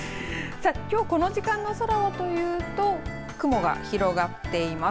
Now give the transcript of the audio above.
さあ、きょうこの時間の空はというと雲が広がっています。